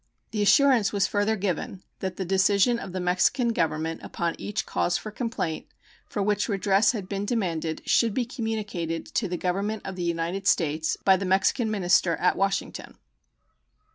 The assurance was further given that the decision of the Mexican Government upon each cause of complaint for which redress had been demanded should be communicated to the Government of the United States by the Mexican minister at Washington.